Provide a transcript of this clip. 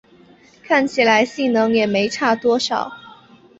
看起来性能也没差很多